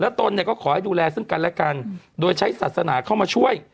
ตนเนี่ยก็ขอให้ดูแลซึ่งกันและกันโดยใช้ศาสนาเข้ามาช่วย